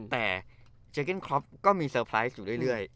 แต่เจเก้นครอปก็มีเซอร์ไพรส์อยู่เรื่อย